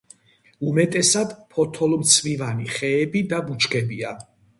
უმეტესად ფოთოლმცვივანი ხეები და ბუჩქებია.